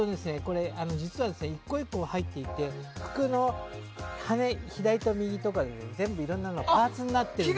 １個１個入ってて服の左と右とかで全部いろんなものがパーツになってるんですよ。